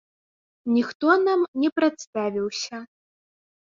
Ніхто нам не прадставіўся.